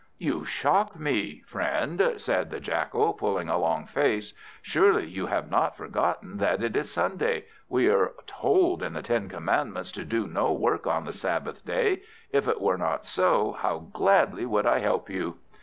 "You shock me, friend," said the Jackal, pulling a long face; "surely you have not forgotten that it is Sunday? We are told in the Ten Commandments to do no work on the Sabbath day. If it were not so, how gladly would I help you!"